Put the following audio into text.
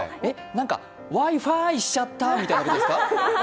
何かＷｉ−Ｆｉしちゃったみたいなことですか。